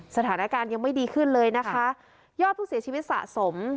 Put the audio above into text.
สถานการณ์ยังไม่ดีขึ้นเลยนะคะยอดผู้เสียชีวิตสะสม